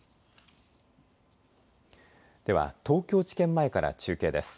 では東京地検前から中継です。